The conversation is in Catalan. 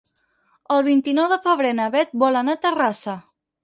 El vint-i-nou de febrer na Beth vol anar a Terrassa.